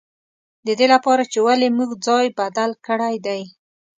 د دې له پاره چې ولې موږ ځای بدل کړی دی.